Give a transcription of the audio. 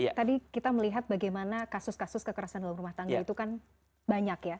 ya tadi kita melihat bagaimana kasus kasus kekerasan dalam rumah tangga itu kan banyak ya